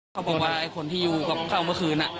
เขาบอกว่าไอ้คนที่อยู่กับเขาเมื่อคืน